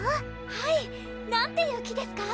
はい何ていう木ですか？